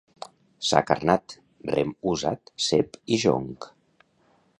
Sac arnat, rem usat, cep i jonc.